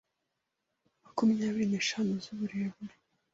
makumyabiri neshanu zuburebure